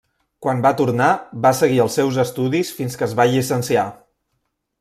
Quan va tornar, va seguir els seus estudis fins que es va llicenciar.